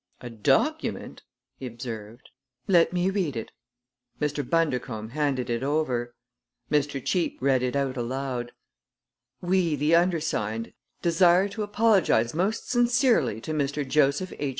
"A document!" he observed. "Let me read it." Mr. Bundercombe handed it over. Mr. Cheape read it out aloud: "We, the undersigned, desire to apologize most sincerely to Mr. Joseph H.